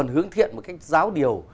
hướng thiện một cách giáo điều